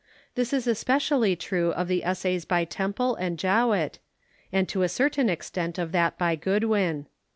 This is especially true of the essays by Temple and Jowett, and to a certain extent of that by Goodwin.